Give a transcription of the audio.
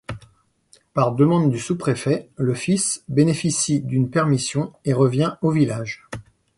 Par demande du sous-préfet, le fils bénéficie d'une permission et revient au village.